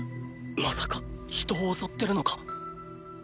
まさか人を襲ってるのか？